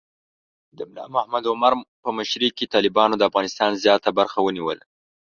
د ملا محمد عمر په مشرۍ کې طالبانو د افغانستان زیات برخه ونیوله.